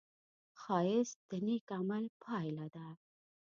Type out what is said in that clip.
ښایست د نېک عمل پایله ده